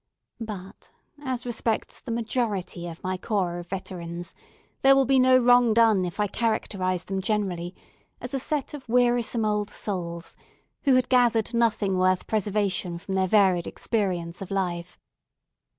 But, as respects the majority of my corps of veterans, there will be no wrong done if I characterize them generally as a set of wearisome old souls, who had gathered nothing worth preservation from their varied experience of life.